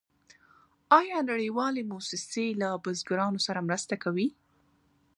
آیا نړیوالې موسسې له بزګرانو سره مرسته کوي؟